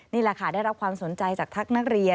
นี่แหละค่ะได้รับความสนใจจากทักนักเรียน